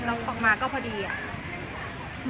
ทุกวันใหม่ทุกวันใหม่